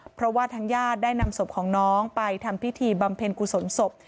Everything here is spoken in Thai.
เพราะว่าทางญาติได้นำศพของน้องไปทำพิธีบำเพ็ญกุศลศพ